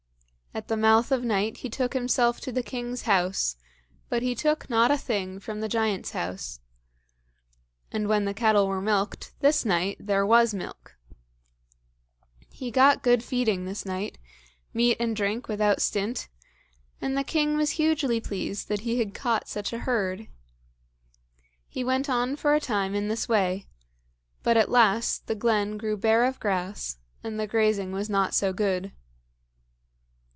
At the mouth of night he took himself to the king's house, but he took not a thing from the giant's house. And when the cattle were milked this night there was milk. He got good feeding this night, meat and drink without stint, and the king was hugely pleased that he had caught such a herd. He went on for a time in this way, but at last the glen grew bare of grass, and the grazing was not so good.